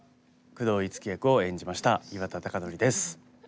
久遠樹役を演じました岩田剛典です。